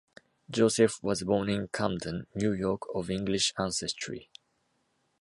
Joseph was born in Camden, New York of English ancestry.